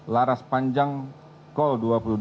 laras panjang kol dua puluh dua